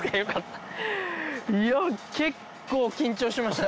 いや結構緊張しました。